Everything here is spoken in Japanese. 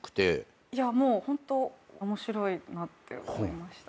いやもうホント面白いなって思いました。